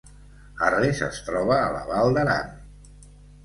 Arres es troba a la Val d’Aran